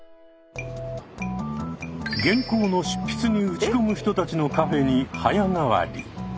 原稿の執筆に打ち込む人たちのカフェに早変わり。